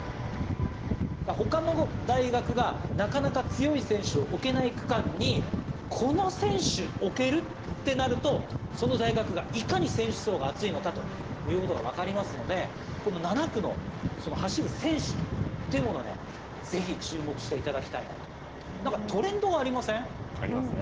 ほかの大学がなかなか強い選手を置けない区間に、この選手、置けるとなると、その大学がいかに選手層が厚いのかということが分かりますので、この７区の走る選手というものを、ぜひ注目していただきたいなと。ありますね。